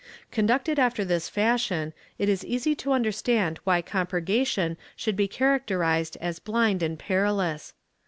^ Conducted after this fashion it is easy to understand why com purgation should be characterized as blind and perilous.